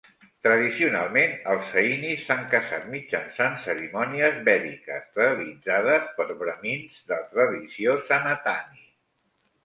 Tradicionalment, els Sainis s'han casat mitjançant cerimònies vèdiques realitzades per brahmins de tradició Sanatani.